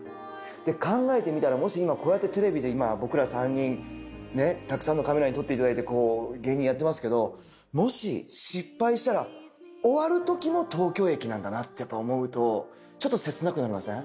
で考えてみたらもしこうやってテレビで今僕ら３人ねたくさんのカメラに撮っていただいて芸人やってますけどもし失敗したら終わるときも東京駅なんだなってやっぱ思うとちょっと切なくなりません？